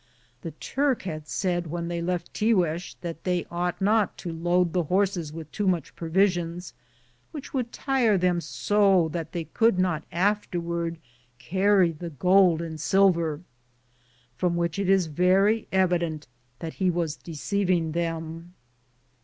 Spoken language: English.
The Turk had said when they left Tiguex that they ought not to load the horses with too much pro visions, which would tire them so that they could not afterward carry the gold and silver, from which it is very evident that he was deceiving them.